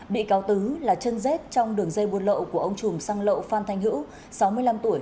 bị cáo tứ là chân rét trong đường dây buôn lậu của ông chùm xăng lậu phan thanh hữu sáu mươi năm tuổi